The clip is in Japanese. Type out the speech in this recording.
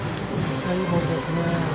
いいボールですね。